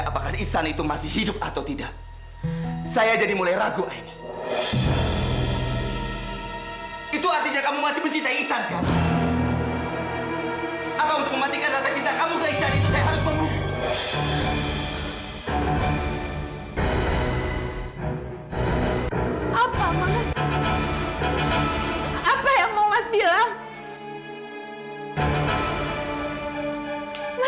sampai jumpa di video selanjutnya